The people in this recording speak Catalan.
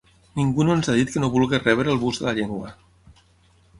Ningú no ens ha dit que no vulga rebre el bus de la llengua.